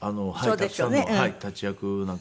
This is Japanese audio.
たくさんの立役なんか。